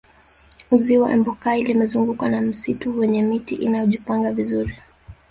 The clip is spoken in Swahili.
ziwa empokai limezungukwa na msitu wenye miti iliyojipanga vizuri